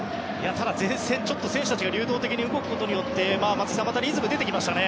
ただ前線、選手たちが流動的に動くことで松木さんリズムが出てきましたね。